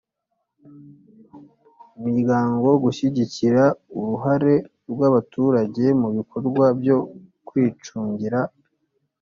Imiryango gushyigikira uruhare rw abaturage mu bikorwa byo kwicungira